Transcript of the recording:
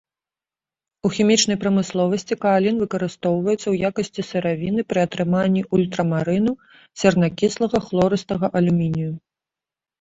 У хімічнай прамысловасці каалін выкарыстоўваецца ў якасці сыравіны пры атрыманні ультрамарыну, сернакіслага, хлорыстага алюмінію.